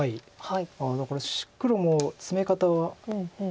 ああだから黒もツメ方は。